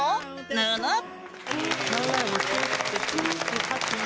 ぬぬっ！